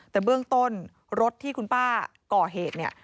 แต่เบื้องต้นรถที่คุณป้าก่อเหตุเนี่ย